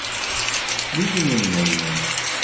リズムにのります。